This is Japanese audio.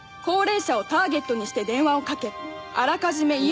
高齢者をターゲットにして電話をかけあらかじめ